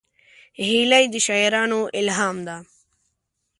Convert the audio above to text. هیلۍ د شاعرانو الهام ده